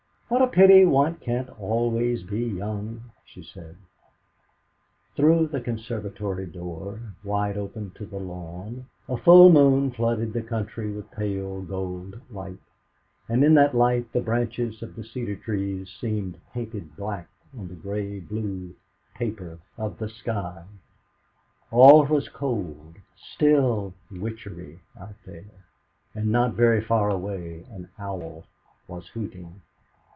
"What a pity one can't always be young!" she said. Through the conservatory door, wide open to the lawn, a full moon flooded the country with pale gold light, and in that light the branches of the cedar trees seemed printed black on the grey blue paper of the sky; all was cold, still witchery out there, and not very far away an owl was hooting.